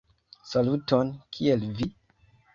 Saluton, kiel vi?